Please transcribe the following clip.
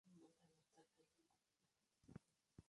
En ese programa ponía música y leía noticias.